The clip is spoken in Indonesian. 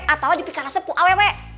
atau dipikara sepuk aww